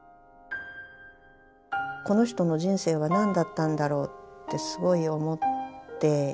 この人の人生は何だったんだろうってすごい思って。